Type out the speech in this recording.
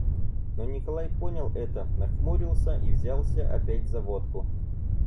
Но Николай понял это, нахмурился и взялся опять за водку.